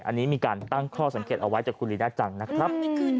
อันนี้มีการตั้งข้อสังเกตเอาไว้จากคุณลีน่าจังนะครับ